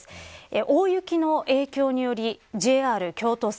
大雪の影響によりＪＲ京都線